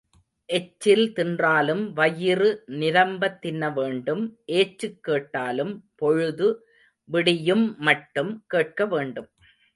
எச்சில் தின்றாலும் வயிறு நிரம்பத் தின்னவேண்டும் ஏச்சுக் கேட்டாலும் பொழுது விடியும்மட்டும் கேட்க வேண்டும்.